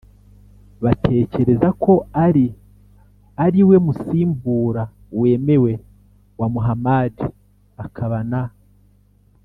batekereza ko ʽalī ari we musimbura wemewe wa muhamadi akaba na